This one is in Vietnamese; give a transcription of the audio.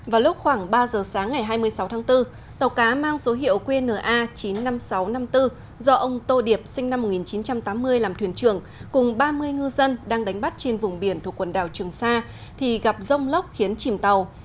vào lúc khoảng ba giờ sáng ngày hai mươi sáu tháng bốn tàu cá mang số hiệu qna chín mươi năm nghìn sáu trăm năm mươi bốn do ông tô điệp sinh năm một nghìn chín trăm tám mươi làm thuyền trưởng cùng ba mươi ngư dân đang đánh bắt trên vùng biển thuộc quần đảo trường sa thì gặp rông lốc khiến chìm tàu